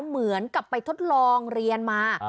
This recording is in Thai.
เหมือนกับไปทดลองเรียนมา